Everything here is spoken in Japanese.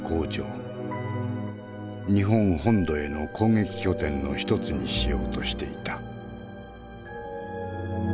日本本土への攻撃拠点の一つにしようとしていた。